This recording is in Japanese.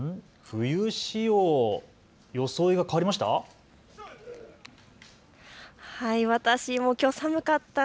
冬仕様、装いが変わりました。